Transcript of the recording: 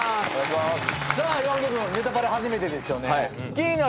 さあ岩本君『ネタパレ』初めてですよね。